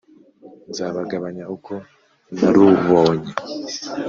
nzabagabanya uko narubonye